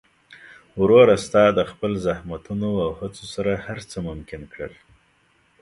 وروره! ستا د خپل زحمتونو او هڅو سره هر څه ممکن کړل.